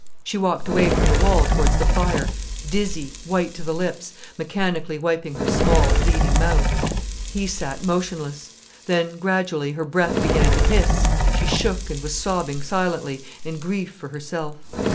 She walked away from the wall towards the fire, dizzy, white to the lips, mechanically wiping her small, bleeding mouth. He sat motionless. Then, gradually, her breath began to hiss, she shook, and was sobbing silently, in grief for herself.